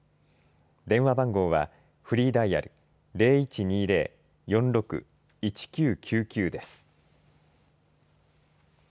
電話番号はフリーダイヤル０１２０‐４６‐１９９９です。